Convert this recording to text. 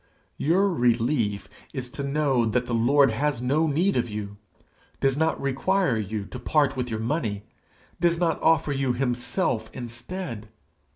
Your relief is to know that the Lord has no need of you does not require you to part with your money, does not offer you himself instead!